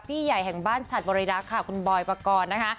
ใหญ่แห่งบ้านฉัดบริรักษ์ค่ะคุณบอยปกรณ์นะคะ